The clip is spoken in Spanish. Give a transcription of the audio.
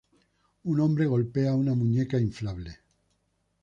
Un hombre golpea una muñeca inflable.